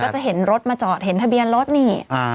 จะเห็นรถมาจอดเห็นทะเบียนรถนี่